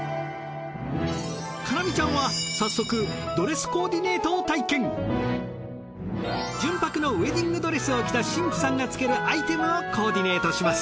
叶望ちゃんは早速純白のウェディングドレスを着た新婦さんがつけるアイテムをコーディネートします。